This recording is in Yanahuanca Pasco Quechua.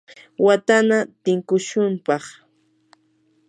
watanna tinkushunpaq.